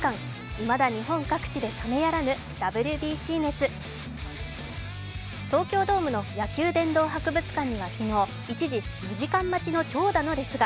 いまだ日本各地で冷めやらぬＷＢＣ熱東京ドームの野球殿堂博物館には昨日、一時２時間待ちの長蛇の列が。